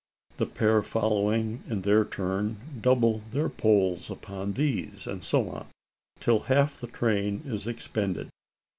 The pair following in their turn double their poles upon these; and so on, till half the train is expended.